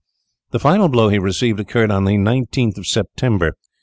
The final blow he received occurred on the 19th of September.